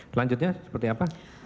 selanjutnya seperti apa